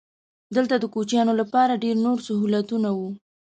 دلته د کوچیانو لپاره ډېر نور سهولتونه وو.